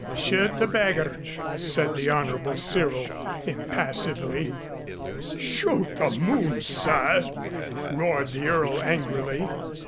"Shoot the beggar," said the Honorable Cyril impassively. "Shoot the moon, sir," roared the Earl angrily.